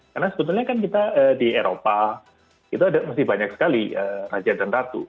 karena sebetulnya kan kita di eropa itu ada masih banyak sekali raja dan ratu